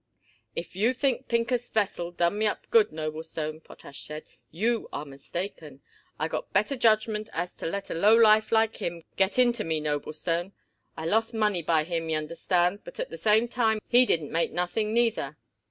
"If you think Pincus Vesell done me up good, Noblestone," Potash said, "you are mistaken. I got better judgment as to let a lowlife like him get into me, Noblestone. I lost money by him, y'understand, but at the same time he didn't make nothing neither.